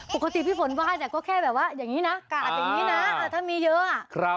ปกติพี่ฝนไหว้เนี่ยก็แค่แบบว่าอย่างนี้นะกาดอย่างนี้นะถ้ามีเยอะ